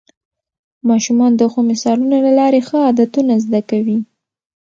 ماشومان د ښو مثالونو له لارې ښه عادتونه زده کوي